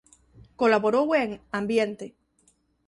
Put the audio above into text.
Colaborou en "Ambiente".